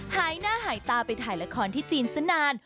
หายหน้าหายตาไปถ่ายละครที่จีนสักนาน